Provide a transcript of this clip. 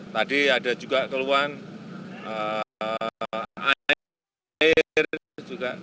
tadi ada juga keluhan air juga